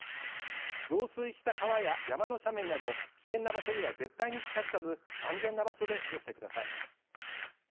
増水した川や山の斜面など危険な場所には絶対に近づかず安全な場所で過ごしてください。